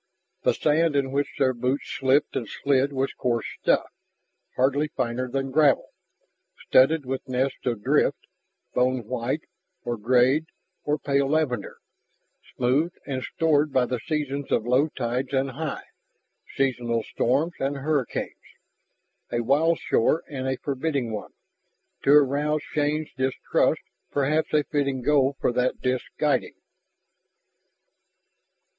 The sand in which their boots slipped and slid was coarse stuff, hardly finer than gravel, studded with nests of drift bone white or grayed or pale lavender smoothed and stored by the seasons of low tides and high, seasonal storms and hurricanes. A wild shore and a forbidding one, to arouse Shann's distrust, perhaps a fitting goal for that disk's guiding.